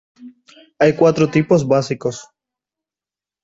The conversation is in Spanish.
Hay cuatro tipos básicos.